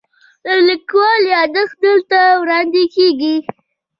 د لیکوال یادښت دلته وړاندې کیږي.